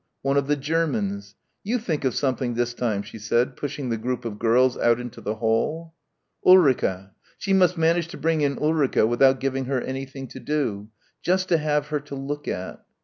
one of the Germans. "You think of something this time," she said, pushing the group of girls out into the hall. Ulrica. She must manage to bring in Ulrica without giving her anything to do. Just to have her to look at.